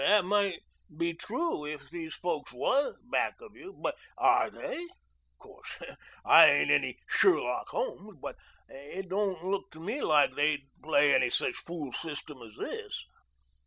"That might be true if these folks were back of you. But are they? Course I ain't any Sherlock Holmes, but it don't look to me like they'd play any such fool system as this."